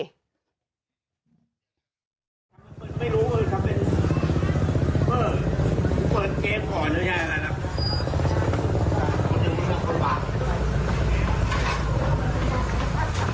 หนูไม่กลัวหันมาด่าเลย